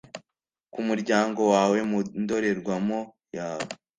ku muryango wawe, mu ndorerwamo yawe